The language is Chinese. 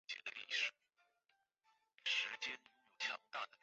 阿尔泰葶苈为十字花科葶苈属下的一个种。